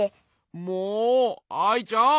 もうアイちゃん！